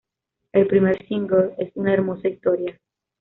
El primer single es "Una Hermosa Historia".